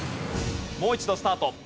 もう一度スタート。